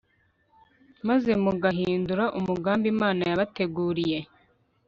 maze mugahindura umugambi Imana yabateguriye